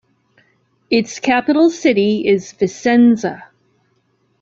Its capital city is Vicenza.